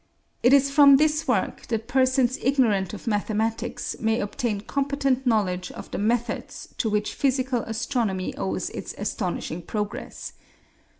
It is from this work that persons ignorant of mathematics may obtain competent knowledge of the methods to which physical astronomy owes its astonishing progress.